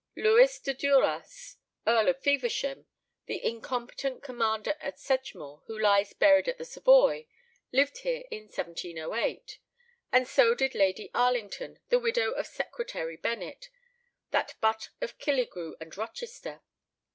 Lewis de Duras, Earl of Feversham, the incompetent commander at Sedgemoor, who lies buried at the Savoy, lived here in 1708; and so did Lady Arlington, the widow of Secretary Bennet, that butt of Killigrew and Rochester.